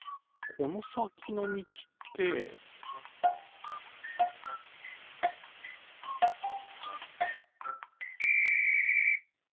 このさきのみちってピッ！